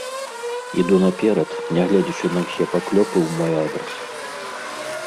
Іду наперад, нягледзячы на ўсе паклёпы ў мой адрас!